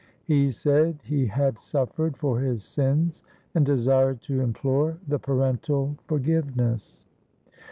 He said he had suffered for his sins and desired to implore the parental forgiveness.